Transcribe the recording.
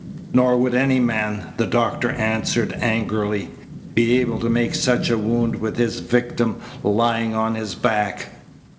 "Nor would any man," the doctor answered angrily, "be able to make such a wound with his victim lying on his back."